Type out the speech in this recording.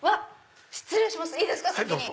失礼しますいいですか先に。